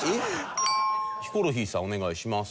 ヒコロヒーさんお願いします。